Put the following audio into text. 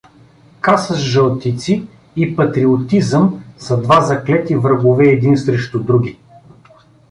Каса с жълтици и патриотизъм са два заклети врагове един срещу други.